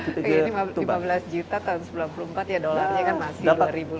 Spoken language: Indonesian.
lima belas juta tahun sembilan puluh empat ya dollarnya kan masih dua ribu dolar